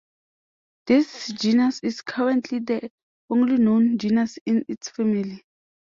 This genus is currently the only known genus in its family.